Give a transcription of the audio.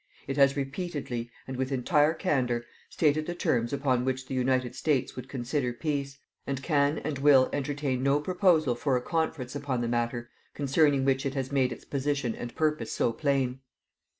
It has repeatedly, and with entire candor, stated the terms upon which the United States would consider peace, and can and will entertain no proposal for a conference upon the matter concerning which it has made its position and purpose so plain.